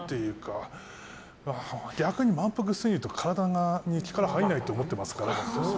逆に満腹すぎると体に力が入らないと思ってますから。